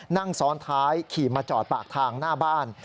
นั่งซ้อนท้ายขี่มาจอดปากทางหน้าบ้าน